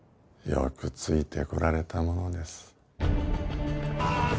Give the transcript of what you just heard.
よくついてこられたものです。